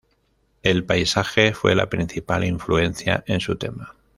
El paisaje fue la principal influencia en su tema.